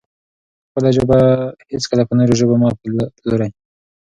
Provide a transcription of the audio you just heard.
خپله ژبه هېڅکله په نورو ژبو مه پلورئ.